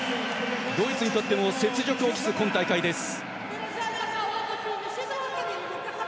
ドイツにとっても雪辱を期す今大会です。